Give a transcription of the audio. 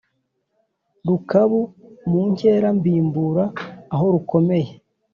rukabu mu nkera mbimbura aho rukomeye,